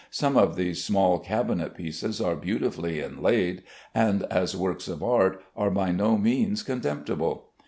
Some of these small cabinet pieces are beautifully inlaid, and, as works of art, are by no means contemptible.